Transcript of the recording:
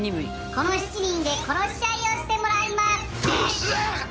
「この７人で殺し合いをしてもらいます」「うっ！」